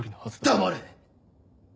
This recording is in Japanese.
黙れ！